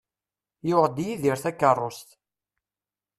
Yuɣ-d Yidir takerrust.